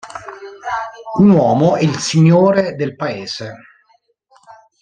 Un uomo è il signore del paese:...